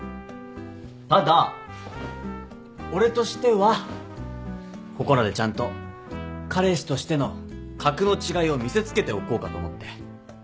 ただ俺としてはここらでちゃんと彼氏としての格の違いを見せつけておこうかと思って。